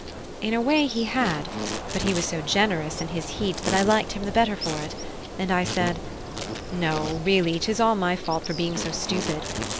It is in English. In a way he had; but he was so generous in his heat, that I liked him the better for it, and I said: "No, really 'tis all my fault for being so stupid.